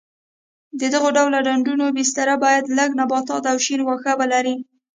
د دغه ډول ډنډونو بستره باید لږ نباتات او شین واښه ولري.